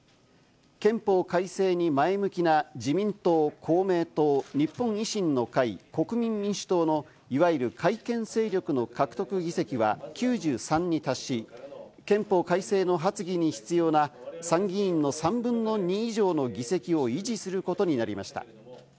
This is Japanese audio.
憲法改正に前向きな自民党・公明党・日本維新の会・国民民主党のいわゆる改憲勢力の獲得議席は９３に達し、憲法改正の発議に必要な参議院の３分の２以上の議席を維持することになりました。